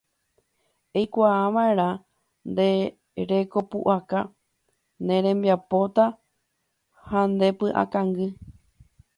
Eikuaava'erã nde rekopu'aka, ne rembipota ha ne py'akangy